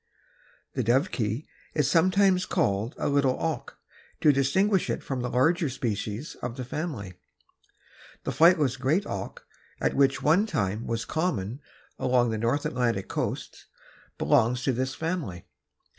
The Dovekie is sometimes called a little auk to distinguish it from the larger species of the family. The flightless great auk, which at one time was common along the north Atlantic coast, belongs to this family.